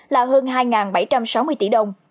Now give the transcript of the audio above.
là hơn hai bảy trăm sáu mươi tỷ đồng